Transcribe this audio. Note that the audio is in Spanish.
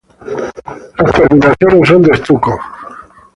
Los acabados son de estuco.